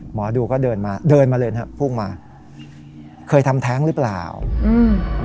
หมอดูก็เดินมาเดินมาเลยนะครับพุ่งมาเคยทำแท้งหรือเปล่าอืม